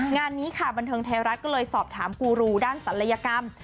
งานนี้ค่ะบันเทิงไทยรัฐก็เลยสอบถามกูรูด้านศัลยกรรม